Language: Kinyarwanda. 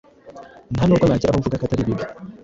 Ntanubwo nagera aho mvuga ko atari bibi.